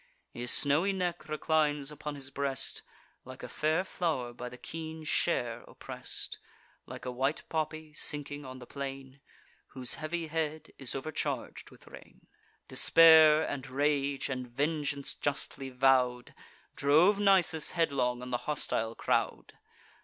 His snowy neck reclines upon his breast, Like a fair flow'r by the keen share oppress'd; Like a white poppy sinking on the plain, Whose heavy head is overcharg'd with rain. Despair, and rage, and vengeance justly vow'd, Drove Nisus headlong on the hostile crowd.